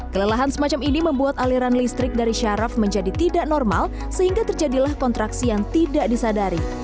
kelelahan semacam ini membuat aliran listrik dari syaraf menjadi tidak normal sehingga terjadilah kontraksi yang tidak disadari